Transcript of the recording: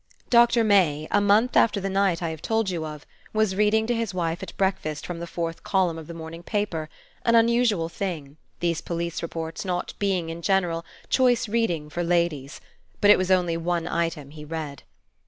Doctor May a month after the night I have told you of, was reading to his wife at breakfast from this fourth column of the morning paper: an unusual thing, these police reports not being, in general, choice reading for ladies; but it was only one item he read.